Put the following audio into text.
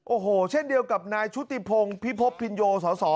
โอ้โหเช่นเดียวกับนายชุติพงศ์พิพบพินโยสส